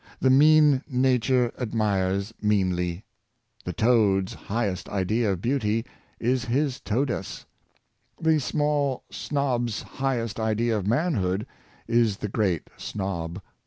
The mean nature admires meanly. The toad's highest idea of beauty is his toadess. The small snob's highest idea of manhood is the great snob.